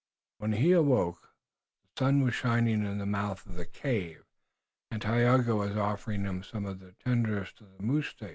When he awoke the sun was shining in the mouth of the cave and Tayoga was offering him some of the tenderest of the moose steak.